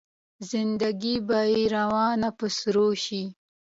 زنده ګي به يې روانه په سرور شي